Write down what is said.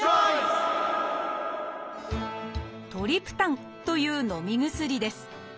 「トリプタン」という飲み薬です。